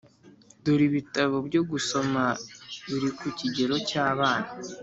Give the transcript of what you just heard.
dore bitabo byo gusoma biri ku kigero cy’abana.